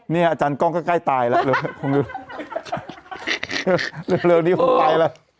เนี่ยอาจารย์กล้องก็ใกล้ตายแล้วเร็วเร็วเร็วเร็วนี้ผมไปแล้วเออ